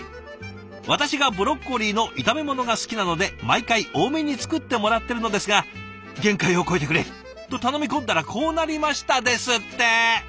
「私がブロッコリーの炒め物が好きなので毎回多めに作ってもらってるのですが『限界を超えてくれ！』と頼み込んだらこうなりました」ですって！